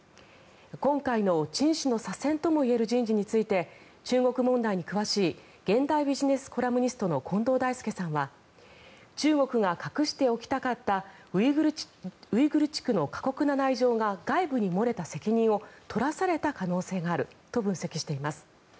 今回のチン氏の左遷ともいえる人事について中国問題に詳しい現代ビジネスコラムニストの近藤大介さんは中国が隠しておきたかったウイグル地区の過酷な内情が外部に漏れた責任を取らされた可能性があると分析しています。